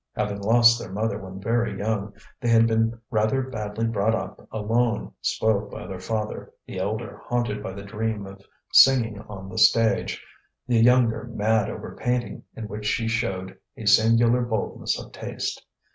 Having lost their mother when very young, they had been rather badly brought up alone, spoilt by their father, the elder haunted by the dream of singing on the stage, the younger mad over painting in which she showed a singular boldness of taste.